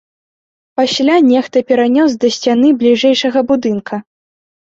Пасля нехта перанёс да сцяны бліжэйшага будынка.